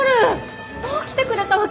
もう来てくれたわけ？